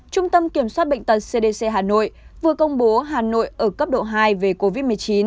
trung tâm kiểm soát bệnh tật cdc hà nội vừa công bố hà nội ở cấp độ hai về covid một mươi chín